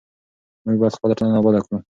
موږ باید خپله ټولنه اباده کړو.